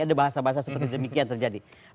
ada bahasa bahasa seperti demikian terjadi